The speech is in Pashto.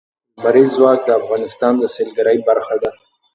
لمریز ځواک د افغانستان د سیلګرۍ برخه ده.